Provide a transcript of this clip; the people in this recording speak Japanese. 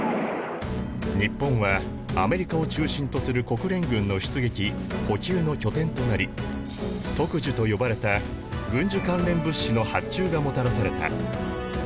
日本はアメリカを中心とする国連軍の出撃補給の拠点となり特需と呼ばれた軍需関連物資の発注がもたらされた。